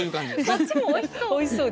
こっちもおいしそう。